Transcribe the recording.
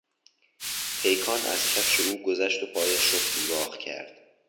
پیکان از کفش او گذشت و پایش را سوراخ کرد.